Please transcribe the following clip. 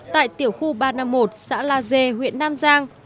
tại tiểu khu ba trăm năm mươi một xã la dê huyện nam giang